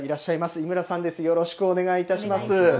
井村さんです、よろしくお願いいたします。